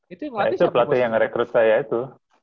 itu pelatih yang rekrut saya itu